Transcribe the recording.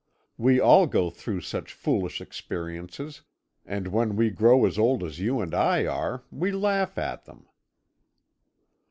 We all go through such foolish experiences, and when we grow as old as you and I are, we laugh at them.'